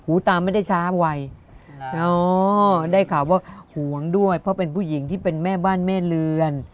ตามไม่ได้ช้าวัยได้ข่าวว่าห่วงด้วยเพราะเป็นผู้หญิงที่เป็นแม่บ้านแม่เรือน